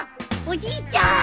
おじいちゃん！